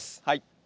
はい。